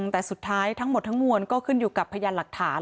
แต่สุดท้ายทั้งหมดทั้งมวลก็ขึ้นอยู่กับพยานหลักฐาน